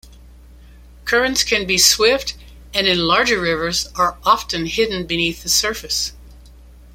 Currents can be swift and, in larger rivers, are often hidden beneath the surface.